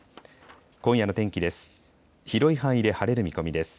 今夜の天気です。